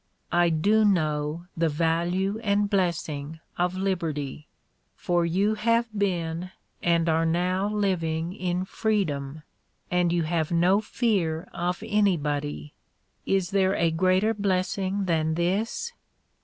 I do know the value and blessing of liberty. For you have been and are now living in freedom and you have no fear of anybody. Is there a greater blessing than this?